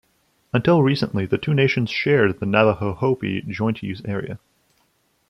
Until recently, the two nations shared the Navajo-Hopi Joint Use Area.